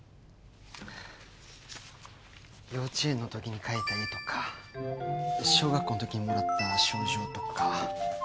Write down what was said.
幼稚園のときに描いた絵とか小学校のときにもらった賞状とか。